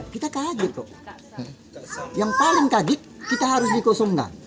kita kaget kok yang paling kaget kita harus dikosongkan